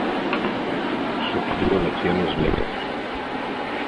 Sufrió lesiones leves.